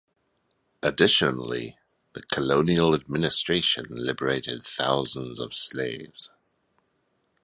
Additionally, the colonial administration liberated thousands of slaves.